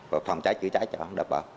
và phòng chế chất cháy cho đảm bảo